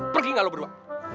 pergi gak lu berdua